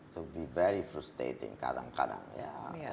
to be very frostating kadang kadang ya